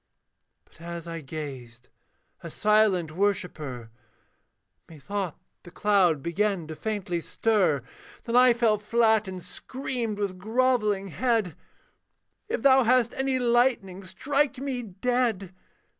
But as I gazed, a silent worshipper, Methought the cloud began to faintly stir; Then I fell flat, and screamed with grovelling head, 'If thou hast any lightning, strike me dead!